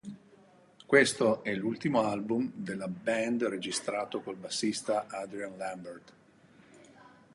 Questo è l'ultimo album della band registrato col bassista Adrian Lambert.